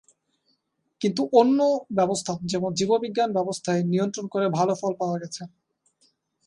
কিন্তু অন্য ব্যবস্থা যেমন জীববিজ্ঞান ব্যবস্থায় নিয়ন্ত্রণ করে ভাল ফল পাওয়া গেছে।